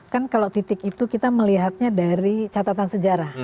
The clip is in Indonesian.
kan kalau titik itu kita melihatnya dari catatan sejarah